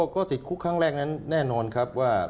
ก็ติดคุกครั้งแรกนั้นแน่นอนครับว่า